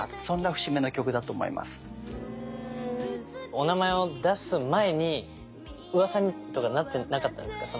お名前を出す前にうわさとかになってなかったんですか？